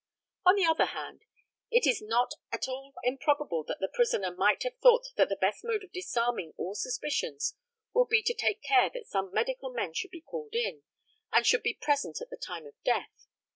On the other hand, it is not at all improbable that the prisoner might have thought that the best mode of disarming all suspicions would be to take care that some medical men should be called in, and should be present at the time of death.